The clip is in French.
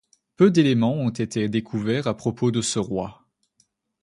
Peu d'éléments ont été découverts à propos de ce roi.